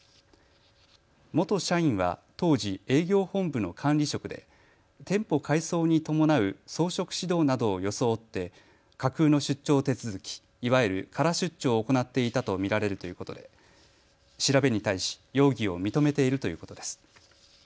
元社員は当時、営業本部の管理職で店舗改装に伴う装飾指導などを装って架空の出張手続き、いわゆるカラ出張を行っていたと見られるということで調べに対し容疑を認めているということです。